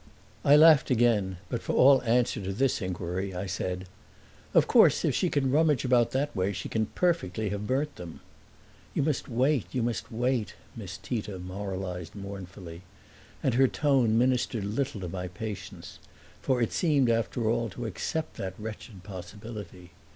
I laughed again, but for all answer to this inquiry I said, "Of course if she can rummage about that way she can perfectly have burnt them." "You must wait you must wait," Miss Tita moralized mournfully; and her tone ministered little to my patience, for it seemed after all to accept that wretched possibility.